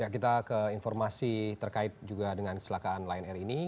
kita ke informasi terkait juga dengan kecelakaan lion air ini